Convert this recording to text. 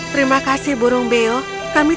mereka menemukan mereka dan berjalan ke penyelamat